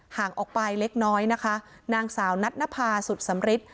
ห่างออกไปเล็กน้อยนะคะนางสาวนัทนภาสุดสำริท